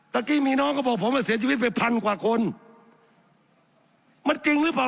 กี้มีน้องก็บอกผมว่าเสียชีวิตไปพันกว่าคนมันจริงหรือเปล่า